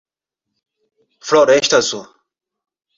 Floresta Azul